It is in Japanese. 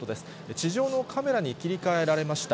地上のカメラに切り替えられました。